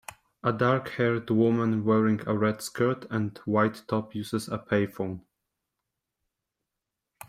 A darkhaired woman wearing a red skirt and white top uses a pay phone.